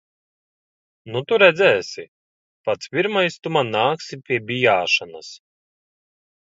Nu tu redzēsi. Pats pirmais tu man nāksi pie bijāšanas.